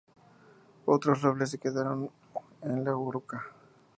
Otros Robles se quedaron en la Uruca.